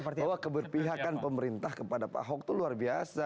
bahwa keberpihakan pemerintah kepada pak ahok itu luar biasa